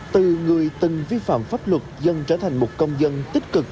từ người từng vi phạm pháp luật dân trở thành một công dân tích cực